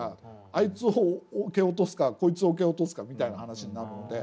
あいつを蹴落とすかこいつを蹴落とすかみたいな話になるので。